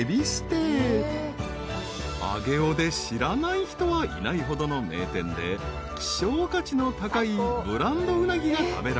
［上尾で知らない人はいないほどの名店で希少価値の高いブランドうなぎが食べられる］